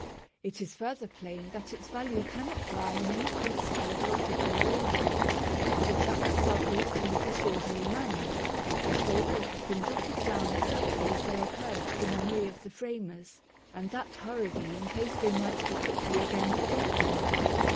It is further plain that its value cannot lie in any principle of logical arrangement ; for the chapters are grouped in a disorderly manner, as though they had been jotted down exactly as they occurred to the memory of the framers, and that hurriedly in case they might be quickly again forgotten.